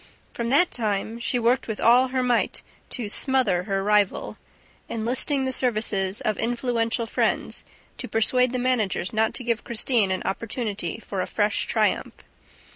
From that time, she worked with all her might to "smother" her rival, enlisting the services of influential friends to persuade the managers not to give Christine an opportunity for a fresh triumph.